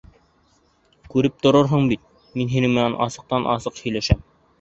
Күреп тораһың бит, мин һинең менән асыҡтан-асыҡ һөйләшәм.